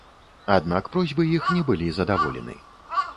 Аднак просьбы іх не былі задаволены.